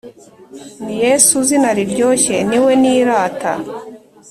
Ni Yesu zina riryoshye niwe nirata